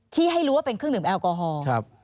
ให้รู้ว่าเป็นเครื่องดื่มแอลกอฮอล์